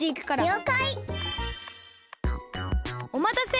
おまたせ！